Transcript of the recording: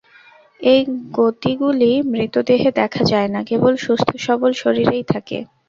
এই গতিগুলি মৃতদেহে দেখা যায় না, কেবল সুস্থ সবল শরীরেই থাকে।